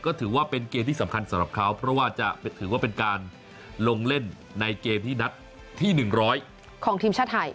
ก็ถือว่าเป็นเกมที่สำคัญสำหรับเขาเพราะว่าจะถือว่าเป็นการลงเล่นในเกมที่นัดที่๑๐๐ของทีมชาติไทย